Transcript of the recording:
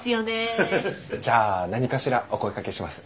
じゃあ何かしらお声がけします。